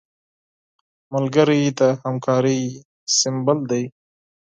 ملګری د همکارۍ سمبول دی